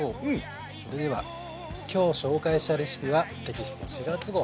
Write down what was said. それでは今日紹介したレシピはテキスト４月号